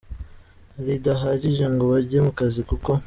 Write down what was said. ridahagije ngo bajye mu kazi kuko.